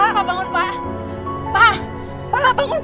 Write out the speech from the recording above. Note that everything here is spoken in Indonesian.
kamu dikenal man latim penting